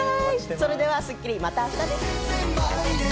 それでは『スッキリ』また明日です。